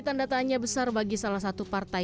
tanda tanya besar bagi salah satu partai